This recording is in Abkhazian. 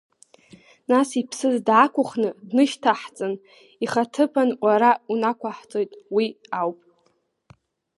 Нас иԥсыз даақәхны днышьҭаҳҵан, ихаҭыԥан уара унақәаҳҵеит, уи ауп.